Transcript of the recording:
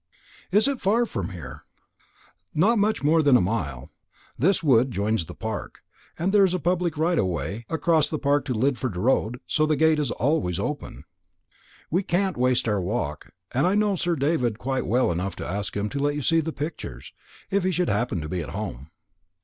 "Is it far from here?" "Not much more than a mile. This wood joins the park, and there is a public right of way across the park to the Lidford road, so the gate is always open. We can't waste our walk, and I know Sir David quite well enough to ask him to let you see the pictures, if he should happen to be at home."